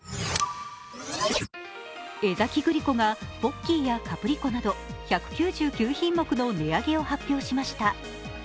江崎グリコがポッキーやカプリコなど１９９品目の値上げを発表しました。